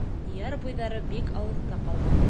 Яр буйҙары бик алыҫта ҡалды.